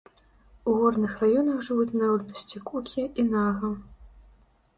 У горных раёнах жывуць народнасці кукі і нага.